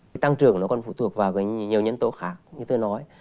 thì tăng trưởng nó còn phụ thuộc vào nhiều nhân tố khác như tôi nói